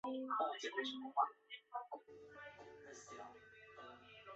云南山壳骨为爵床科山壳骨属的植物。